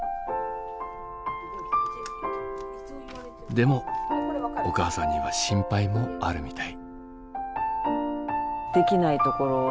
でもお母さんには心配もあるみたい。